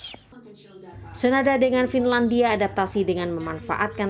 senada dengan finlandia adaptasi dengan memanfaatkan